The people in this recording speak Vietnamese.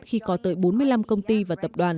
khi có tới bốn mươi năm công ty và tập đoàn